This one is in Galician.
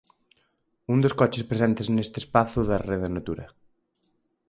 Un dos coches presentes neste espazo da Rede Natura.